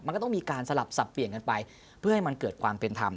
มันก็ต้องมีการสลับสับเปลี่ยนกันไปเพื่อให้มันเกิดความเป็นธรรม